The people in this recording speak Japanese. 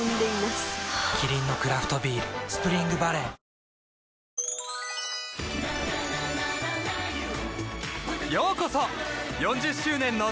キリンのクラフトビール「スプリングバレー」早く術をかけろ。